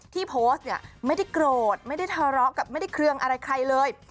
ที่โพสต์เนี่ยไม่ได้โกรธไม่ได้ทะเลาะกับไม่ได้เครื่องอะไรใครเลย